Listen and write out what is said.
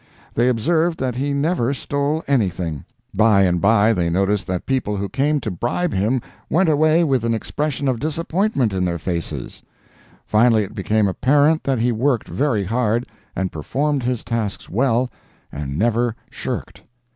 They observed that he never stole anything; by and by they noticed that people who came to bribe him went away with an expression of disappointment in their faces; finally it became apparent that he worked very hard, and performed his tasks well, and never "shirked."